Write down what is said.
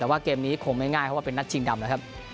แต่ว่าเล่าเกมนี้คงไม่ง่ายก็เป็นนัดชิงดำ